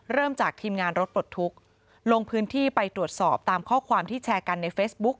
เริ่มจากทีมงานรถปลดทุกข์ลงพื้นที่ไปตรวจสอบตามข้อความที่แชร์กันในเฟซบุ๊ก